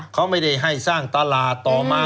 เขาไม่ได้ให้สร้างตลาดต่อมา